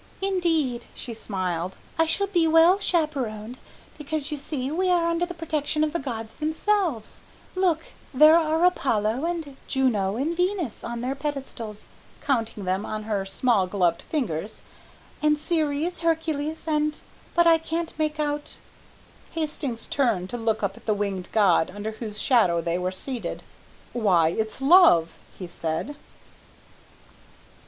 "Indeed," she smiled, "I shall be well chaperoned, because you see we are under the protection of the gods themselves; look, there are Apollo, and Juno, and Venus, on their pedestals," counting them on her small gloved fingers, "and Ceres, Hercules, and but I can't make out " Hastings turned to look up at the winged god under whose shadow they were seated. "Why, it's Love," he said.